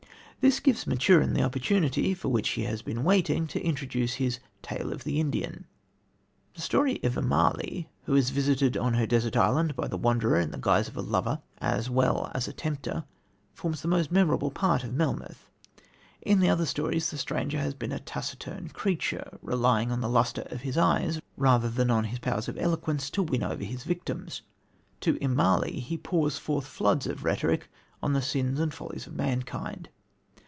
This gives Maturin the opportunity, for which he has been waiting, to introduce his "Tale of the Indian." The story of Immalee, who is visited on her desert island by the Wanderer in the guise of a lover as well as a tempter, forms the most memorable part of Melmoth. In the other stories the stranger has been a taciturn creature, relying on the lustre of his eyes rather than on his powers of eloquence to win over his victims. To Immalee he pours forth floods of rhetoric on the sins and follies of mankind.